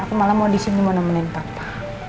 aku malah mau disini mau nemenin papa